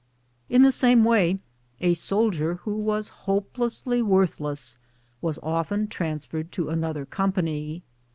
In the same way a soldier who was hopelessly worth less was often transferred to another company.